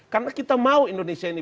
karena kita mau indonesia ini